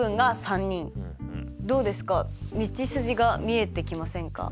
どうですか道筋が見えてきませんか？